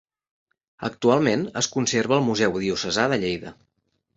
Actualment es conserva al Museu Diocesà de Lleida.